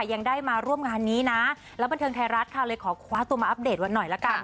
ยังได้มาร่วมงานนี้นะแล้วบันเทิงไทยรัฐค่ะเลยขอคว้าตัวมาอัปเดตวันหน่อยละกัน